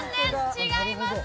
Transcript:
違います。